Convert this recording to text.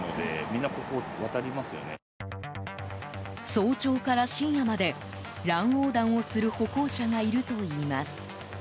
早朝から深夜まで乱横断をする歩行者がいるといいます。